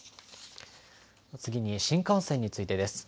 次に新幹線についてです。